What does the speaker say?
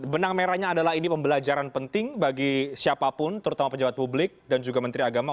benang merahnya adalah ini pembelajaran penting bagi siapapun terutama pejabat publik dan juga menteri agama